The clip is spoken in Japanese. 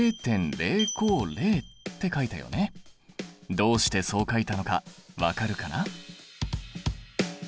どうしてそう書いたのか分かるかな？